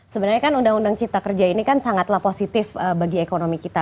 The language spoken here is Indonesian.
sebenarnya kan undang undang cipta kerja ini kan sangatlah positif bagi ekonomi kita